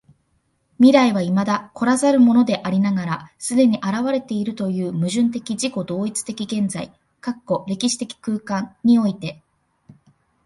未来は未だ来らざるものでありながら既に現れているという矛盾的自己同一的現在（歴史的空間）において、